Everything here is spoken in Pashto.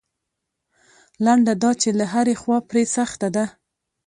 لنډه دا چې له هرې خوا پرې سخته ده.